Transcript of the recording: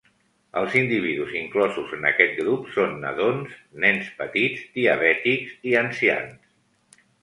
Els individus inclosos en aquest grup són nadons, nens petits, diabètics i ancians.